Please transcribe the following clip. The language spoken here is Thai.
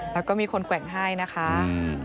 แล้วก็มีคนแกว่งให้นะคะ